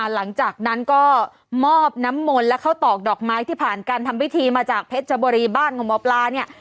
หลังจากนั้นก็มอบน้ำมนต์และข้าวตอกดอกไม้ที่ผ่านการทำพิธีมาจากเพชรบุรีบ้านของหมอปลาเนี่ย